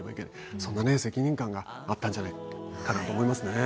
そんな責任感があったんじゃないかなと思いますね。